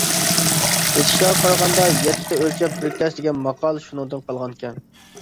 ئېتىشلارغا قارىغاندا، «يەتتە ئۆلچەپ بىر كەس» دېگەن ماقال شۇنىڭدىن قالغانىكەن.